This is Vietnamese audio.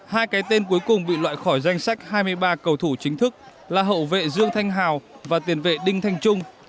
hai cái tên cuối cùng bị loại khỏi danh sách hai mươi ba cầu thủ chính thức là hậu vệ dương thanh hào và tiền vệ đinh thanh trung